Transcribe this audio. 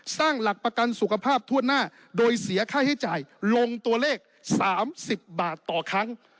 สร้างหลักประกันสุขภาพทั่วหน้าโดยเสียค่าใช้จ่ายลงตัวเลข๓๐บาทต่อครั้ง